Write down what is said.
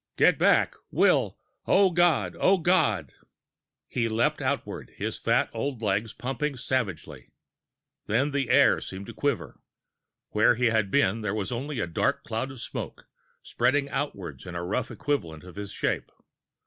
"Get back, Will. Oh, God, O God!" He leaped outwards, his fat old legs pumping savagely. Then the air seemed to quiver. Where he had been, there was only a dark cloud of smoke, spreading outwards in a rough equivalent of his shape.